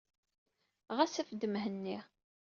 Ɣas af-d Mhenni.